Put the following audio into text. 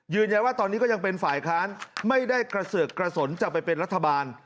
ว่าตอนนี้ก็ยังเป็นฝ่ายค้านไม่ได้กระเสือกกระสนจะไปเป็นรัฐบาล